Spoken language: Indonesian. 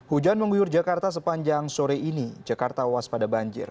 hujan mengguyur jakarta sepanjang sore ini jakarta waspada banjir